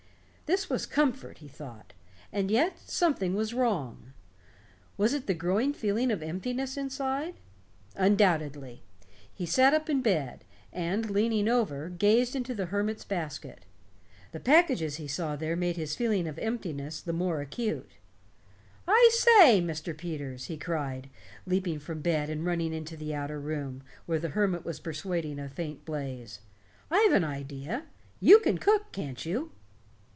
This was comfort, he thought. And yet, something was wrong. Was it the growing feeling of emptiness inside? Undoubtedly. He sat up in bed and leaning over, gazed into the hermit's basket. The packages he saw there made his feeling of emptiness the more acute. "I say, Mr. Peters," he cried, leaping from bed and running into the other room, where the hermit was persuading a faint blaze, "I've an idea. You can cook, can't you?"